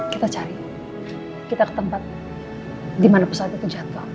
kita cari kita ke tempat di mana pesawat itu jatuh